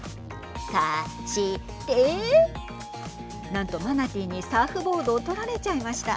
なんとマナティーにサーフボードを取られちゃいました。